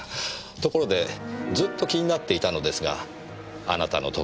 ところでずっと気になっていたのですがあなたの時計